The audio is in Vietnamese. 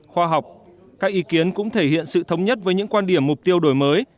khoa học các ý kiến cũng thể hiện sự thống nhất với những quan điểm mục tiêu đổi mới